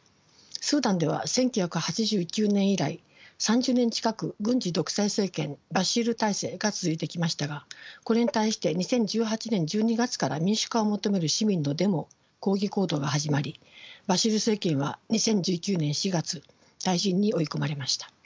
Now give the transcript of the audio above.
スーダンでは１９８９年以来３０年近く軍事独裁政権バシール体制が続いてきましたがこれに対して２０１８年１２月から民主化を求める市民のデモ抗議行動が始まりバシール政権は２０１９年４月退陣に追い込まれました。